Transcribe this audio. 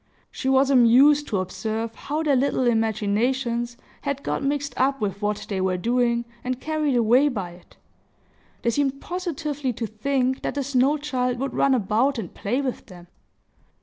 She was amused to observe how their little imaginations had got mixed up with what they were doing, and carried away by it. They seemed positively to think that the snow child would run about and play with them.